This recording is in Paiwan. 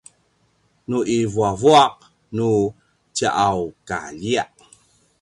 nu i vuavuaq nu tjaukaljiya